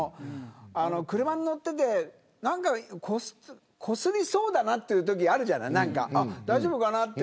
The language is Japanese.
車に乗っていてこすりそうだなっていうときあるじゃない、大丈夫かなって。